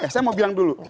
saya mau bilang dulu